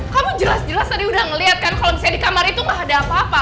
kamu jelas jelas tadi udah ngeliat kan kalau misalnya di kamar itu gak ada apa apa